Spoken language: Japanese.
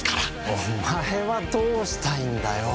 お前はどうしたいんだよ